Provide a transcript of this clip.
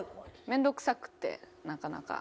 面倒くさくてなかなか。